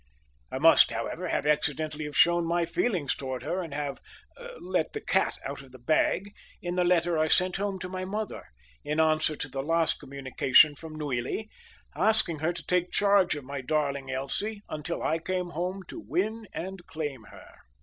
I must, however, have accidentally have shown my feelings towards her and have "let the cat out of the bag" in the letter I sent home to my mother, in answer to the last communication from Neuilly, asking her to take charge of my darling Elsie until I came home to win and claim her.